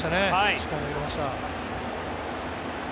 しっかり投げました。